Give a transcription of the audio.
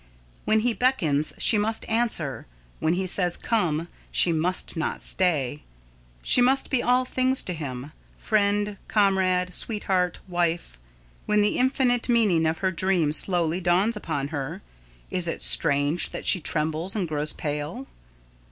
When he beckons she must answer. When he says "come," she must not stay. She must be all things to him friend, comrade, sweetheart, wife. When the infinite meaning of her dream slowly dawns upon her, is it strange that she trembles and grows pale?